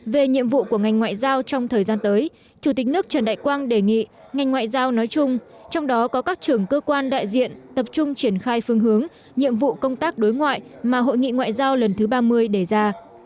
về nhiệm vụ của ngành ngoại giao trong thời gian tới chủ tịch nước trần đại quang đề nghị ngành ngoại giao nói chung trong đó có các trưởng cơ quan đại diện tập trung triển khai phương hướng nhiệm vụ công tác đối ngoại mà hội nghị ngoại giao lần thứ ba mươi đề ra